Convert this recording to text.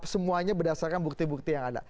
semuanya berdasarkan bukti bukti yang ada